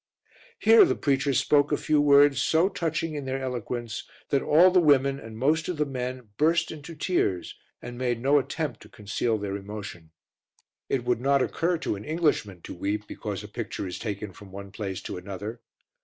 Here the preacher spoke a few words so touching in their eloquence that all the women and most of the men burst into tears and made no attempt to conceal their emotion. It would not occur to an Englishman to weep because a picture is taken from one place to another.